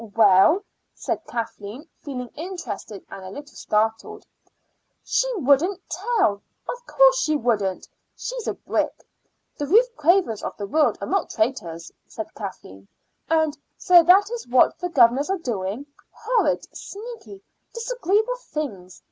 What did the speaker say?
"Well?" said Kathleen, feeling interested and a little startled. "She wouldn't tell." "Of course she wouldn't. She is a brick. The Ruth Cravens of the world are not traitors," said Kathleen. "And so that is what the governors are doing horrid, sneaky, disagreeable things!